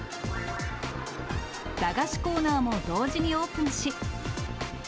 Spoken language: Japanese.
駄菓子コーナーも同時にオープンし。